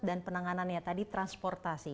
dan penanganannya tadi transportasi